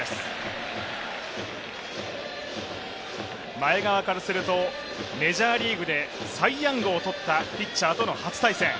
前川からすると、メジャーリーグでサイ・ヤングをとったピッチャーとの初対戦。